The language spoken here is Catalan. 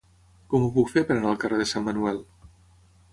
Com ho puc fer per anar al carrer de Sant Manuel?